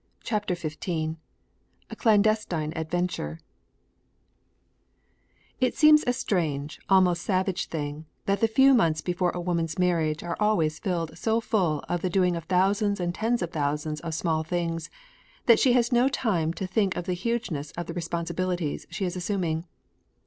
CHAPTER XV A CLANDESTINE ADVENTURE It seems a strange, almost savage thing that the few months before a woman's marriage are always filled so full of the doing of thousands and tens of thousands of small things that she has no time to think of the hugeness of the responsibilities she is assuming.